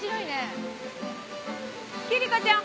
貴理子ちゃん